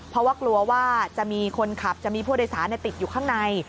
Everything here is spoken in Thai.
เพราะว่ากลัวว่าจะมีคนขับจะมีผู้โดยสารติดอยู่ข้างใน